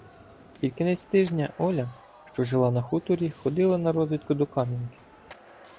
Під кінець тижня Оля, що жила на хуторі, ходила на розвідку до Кам'янки.